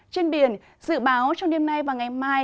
trên biển dự báo trong đêm nay và ngày mai